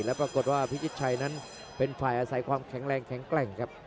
แล้วปรากฏว่าพิชิตชัยนั้นเป็นฝ่ายอาศัยความแข็งแรงแข็งแกร่งครับ